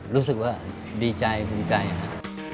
รู้สึกว่าดีใจภูมิใจ